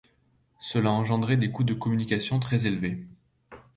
Cela engendrait des coûts de communication très élevés.